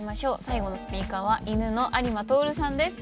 最後のスピーカーはいぬの有馬徹さんです。